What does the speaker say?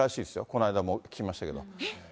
この間も聞きましたけど。